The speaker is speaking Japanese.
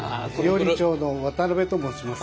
料理長の渡と申します。